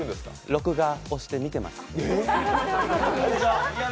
録画をして見てます。